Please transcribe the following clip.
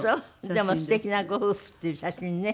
でもすてきなご夫婦っていう写真ね。